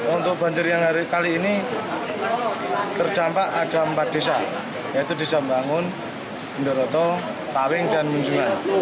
untuk banjir yang kali ini terdampak ada empat desa yaitu desa bangun bendoroto tawing dan munjungan